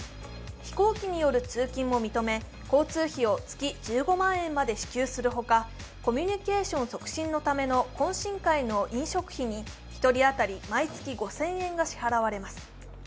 飛行機による通勤も認め、交通費を月１５万円まで支給するほかコミュニケーション促進のための懇親会の飲食費に１人当たり毎月５０００円が支払われます。